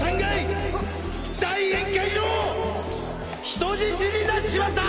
人質になっちまった！